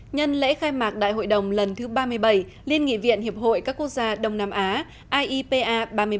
nhân lễ khai mạc đại hội đồng lần thứ ba mươi bảy liên nghị viện hiệp hội các quốc gia đông nam á iepa ba mươi bảy